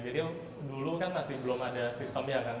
jadi dulu kan masih belum ada sistemnya kan